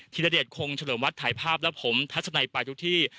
ธิรเดชคงเฉลิมวัดถ่ายภาพและผมทัศนัยไปทุกที่